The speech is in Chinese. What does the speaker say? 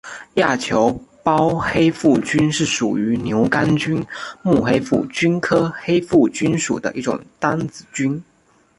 亚球孢黑腹菌是属于牛肝菌目黑腹菌科黑腹菌属的一种担子菌。